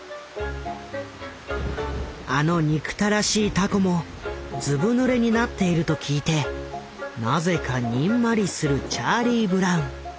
あの憎たらしい凧もずぶぬれになっていると聞いてなぜかにんまりするチャーリー・ブラウン。